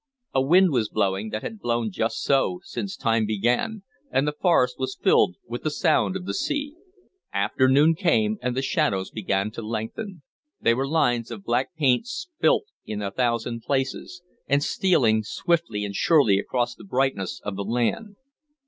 A wind was blowing that had blown just so since time began, and the forest was filled with the sound of the sea. Afternoon came, and the shadows began to lengthen. They were lines of black paint spilt in a thousand places, and stealing swiftly and surely across the brightness of the land.